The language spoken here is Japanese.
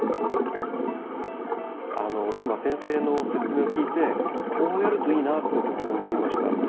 今先生の説明を聞いてこうやるといいなって僕も思いました。